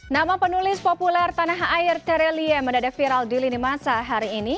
nama penulis populer tanah air terelie mendadak viral di lini masa hari ini